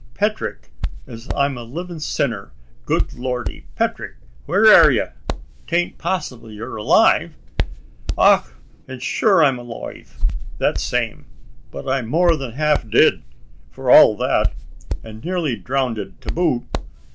"Petrick, as I'm a livin' sinner! Good Lordy, Petrick! wheer air ye? 'Tain't possyble yeer alive?" "Och, an' shure I'm aloive, that same. But I'm more than half did, for all that; an' nearly drownded to boot.